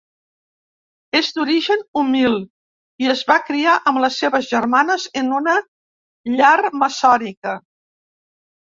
És d'origen humil i es va criar amb les seves germanes en una llar maçònica.